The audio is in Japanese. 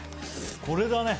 これだね